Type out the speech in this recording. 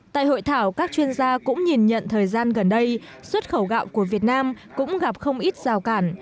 tại hội thảo các chuyên gia cũng nhìn nhận thời gian gần đây xuất khẩu gạo của việt nam cũng gặp không ít rào cản